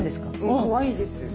かわいいです。